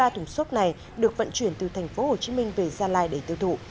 hai mươi ba thùng xốp này được vận chuyển từ tp hcm về gia lai để tiêu thụ